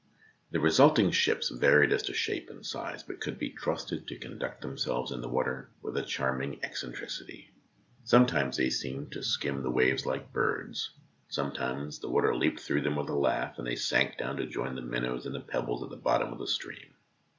The resulting ships varied as to shape and size, but could be trusted to conduct themselves in the water with a charming eccentricity. Sometimes they seemed to skim the waves like birds, sometimes the water leaped through them with a laugh, and they sank down to join the minnows and the pebbles at the bottom of the stream.